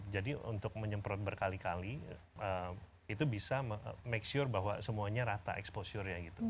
jadi untuk menyemprot berkali kali itu bisa make sure bahwa semuanya rata exposure nya gitu